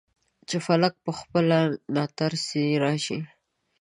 چې فلک پخپله ناترسۍ راشي.